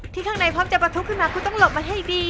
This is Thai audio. ข้างในพร้อมจะประทุขึ้นมาคุณต้องหลบมาให้ดี